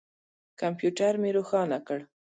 کمپیوټر مې روښانه کړ.